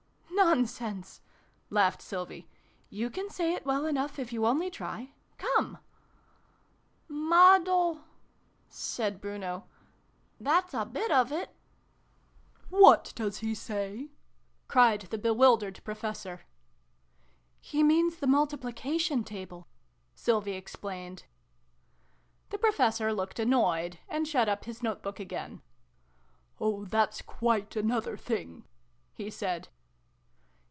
" Nonsense !" laughed Sylvie. " You can say it well enough, if you only try. Come !" "Muddle " said Bruno. "That's a bit of it." 322 SYLV1E AND BRUNO CONCLUDED. " What does he say ?" cried the bewildered Professor. " He means the multiplication table," Sylvie explained. The Professor looked annoyed, and shut up his note book again. " Oh, that's quite another thing," he said.